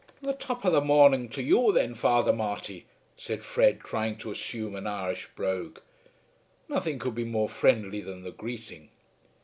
"The top of the morning to you thin, Father Marty," said Fred, trying to assume an Irish brogue. Nothing could be more friendly than the greeting.